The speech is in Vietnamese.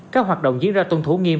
các hoạt động diễn ra tuân thủ nghiêm